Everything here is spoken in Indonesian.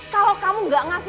kalau kamu nggak ngancam